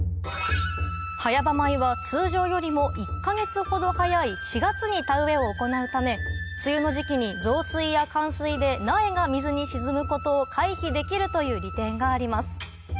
早場米は通常よりも１か月ほど早い４月に田植えを行うため梅雨の時期に増水や冠水で苗が水に沈むことを回避できるという利点があります